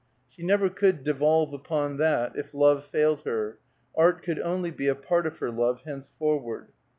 She never could devolve upon that if love failed her; art could only be a part of her love henceforward.